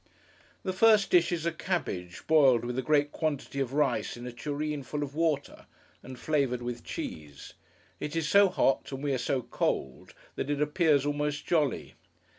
The first dish is a cabbage, boiled with a great quantity of rice in a tureen full of water, and flavoured with cheese. It is so hot, and we are so cold, that it appears almost jolly.